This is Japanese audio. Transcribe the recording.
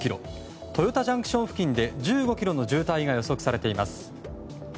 豊田ＪＣＴ付近で１５ｋｍの渋滞が予測されています。